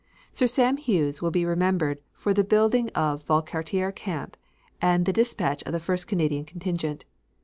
Sir Sam Hughes will be remembered for the building of Valcartier camp and the dispatch of the first Canadian contingent.